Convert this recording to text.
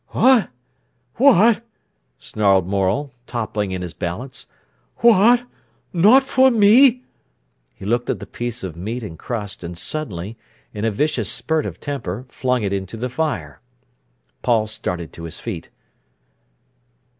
"Wha at—wha at!" snarled Morel, toppling in his balance. "Wha at—not for me?" He looked at the piece of meat and crust, and suddenly, in a vicious spurt of temper, flung it into the fire. Paul started to his feet.